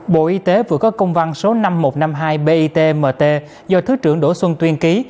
bộ y tế vừa có công văn số năm nghìn một trăm năm mươi hai bitmt do thứ trưởng đỗ xuân tuyên ký